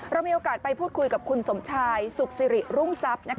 เรามีโอกาสไปพูดคุยกับคุณสมชายสุขสิริรุ่งทรัพย์